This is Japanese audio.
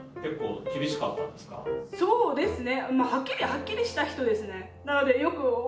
そうですね。